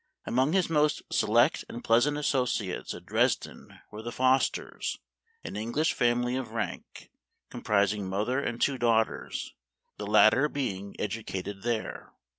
Among his most select and pleasant associates at Dresden were the Fosters, an English family of rank, comprising mother and two daughters, the latter being educated there.